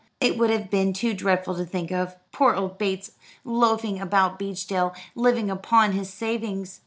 It would have been too dreadful to think of. Poor old Bates loafing about Beechdale, living upon his savings!